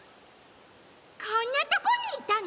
こんなとこにいたの？